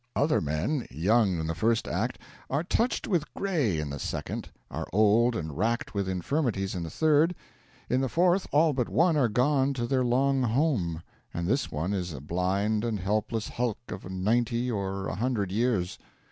Other men, young in the first act, are touched with gray in the second, are old and racked with infirmities in the third; in the fourth, all but one are gone to their long home, and this one is a blind and helpless hulk of ninety or a hundred years.